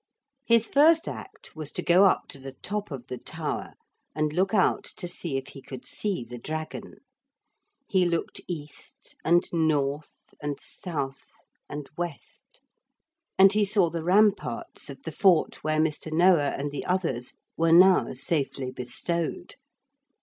His first act was to go up to the top of the tower and look out to see if he could see the dragon. He looked east and north and south and west, and he saw the ramparts of the fort where Mr. Noah and the others were now safely bestowed.